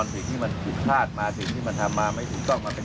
ผมให้มันมาเป็นร้อยเรื่องน่ะเข้าใจป่ะ